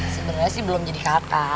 sebenernya sih belum jadi kakak